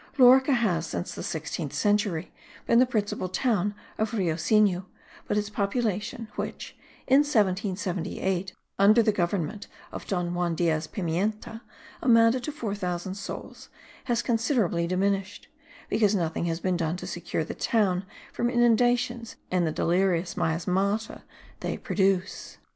Lorica has, since the sixteenth century, been the principal town of Rio Sinu; but its population which, in 1778, under the government of Don Juan Diaz Pimienta, amounted to 4000 souls, has considerably diminished, because nothing has been done to secure the town from inundations and the deleterious miasmata they produce.